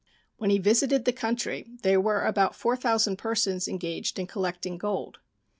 When he visited the country there were about 4,000 persons engaged in collecting gold.